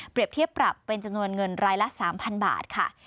เทียบปรับเป็นจำนวนเงินรายละ๓๐๐บาทค่ะ